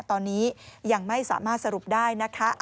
ตอนนี้ยังไม่สามารถสรุปได้นะคะ